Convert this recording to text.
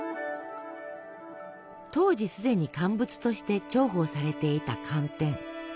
当時すでに乾物として重宝されていた寒天。